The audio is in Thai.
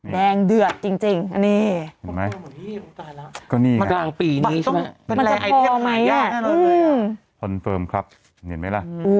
แดงเดือดจริงนี่